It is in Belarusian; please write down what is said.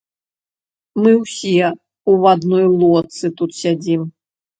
Мы ўсе ў адной лодцы тут сядзім.